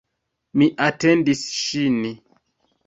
Mi atendis ŝin.